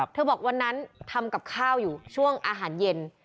บอกวันนั้นทำกับข้าวอยู่ช่วงอาหารเย็น